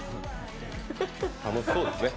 楽しそうですね。